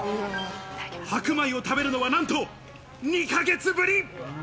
白米を食べるのはなんと２か月ぶり。